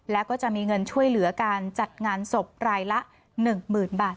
แล้วก็จะมีเงินช่วยเหลือการจัดงานศพรายละ๑๐๐๐บาท